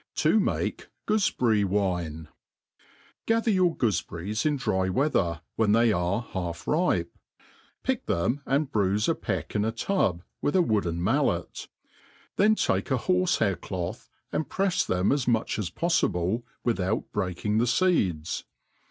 T^ make Go^fehirfj^Wim* GATHER your gooAberries in dry weather, when they are half ripe, pick them, and Wuife a peck in a tub, with a wooden, mallet; then take a borfe hair cloth, and prefs them as much as poffible, without breaking the feeds.